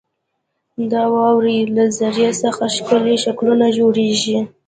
• د واورې له ذرې څخه ښکلي شکلونه جوړېږي.